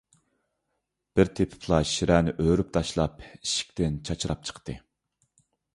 بىر تېپىپلا شىرەنى ئۆرۈپ تاشلاپ، ئىشىكتىن چاچراپ چىقتى.